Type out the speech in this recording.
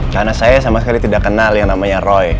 karena saya sama sekali tidak kenal yang namanya roy